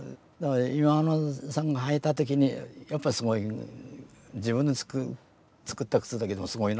忌野さんが履いた時にやっぱりすごい自分で作った靴だけどもすごいなと思うようなね。